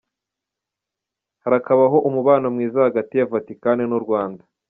Harakabaho umubano mwiza hagati ya Vatikani n’u Rwanda